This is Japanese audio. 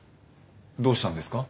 どうしたんですか？